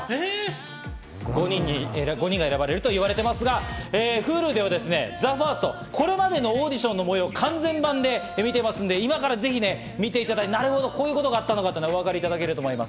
５人が選ばれると言われていますがＨｕｌｕではＴＨＥＦＩＲＳＴ、これまでのオーディションの模様を完全版で見られますので、こういうことがあったのかとか、お分かりいただけると思います。